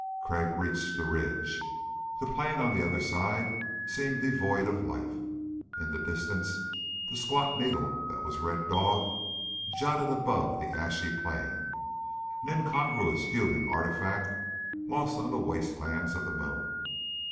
Crag reached the ridge. The plain on the other side seemed devoid of life. In the distance the squat needle that was Red Dog jutted above the ashy plain, an incongruous human artifact lost on the wastelands of the moon.